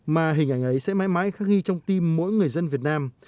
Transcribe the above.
mà hình ảnh ấy sẽ mãi mãi khắc ghi trong tim mỗi người dân việt nam